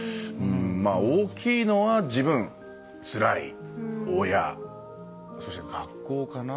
大きいのは自分、つらい親、そして学校かな。